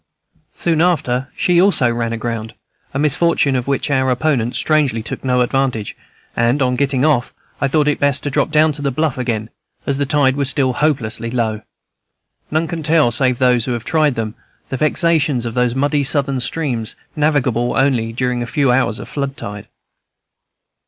Soon after, she also ran aground, a misfortune of which our opponent strangely took no advantage; and, on getting off, I thought it best to drop down to the bluff again, as the tide was still hopelessly low. None can tell, save those who have tried them, the vexations of those muddy Southern streams, navigable only during a few hours of flood tide.